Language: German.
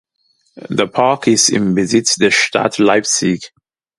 Der Park ist im Besitz der Stadt Leipzig.